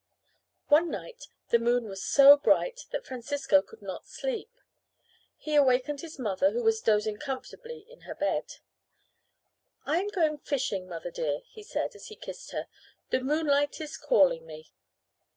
One night the moon was so bright that Francisco could not sleep. He awakened his mother who was dozing comfortably in her bed. "I'm going fishing, mother dear," he said as he kissed her. "The moonlight is calling me."